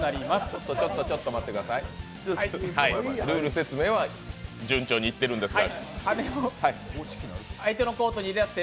ちょっと、ちょっと、ちょっと待ってください、ルール説明は順調にいってるんですが。